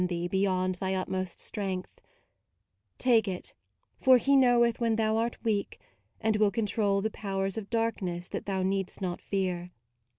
ee Beyond thy utmost strength: take it, for He Knoweth when thou art weak, and will control The powers of darkness that thou needst not fear.